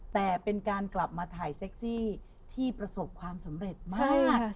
แต่เป็นการกลับมาถ่ายเซ็กซี่ที่ประสบความสำเร็จมาก